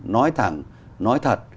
nói thẳng nói thật